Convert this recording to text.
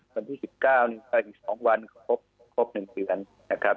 วันที่สิบเก้านี้ก็อีกสองวันครบครบหนึ่งเดือนนะครับ